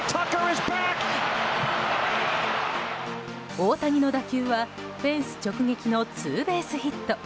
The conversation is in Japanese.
大谷の打球は、フェンス直撃のツーベースヒット。